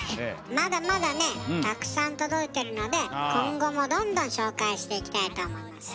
まだまだねたくさん届いてるので今後もどんどん紹介していきたいと思います。